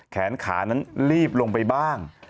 แขนขานั้นรีบลงไปบ้าง